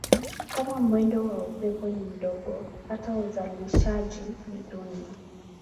Kama mwendo wa upepo ni mdogo hata uzalishaji ni duni.